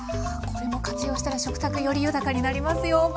これも活用したら食卓より豊かになりますよ。